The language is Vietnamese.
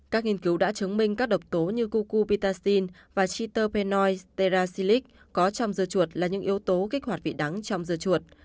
các nghiên cứu đã chứng minh các độc tố như cucupitacin và chitopenoid terasilic có trong dưa chuột là những yếu tố kích hoạt vị đắng trong dưa chuột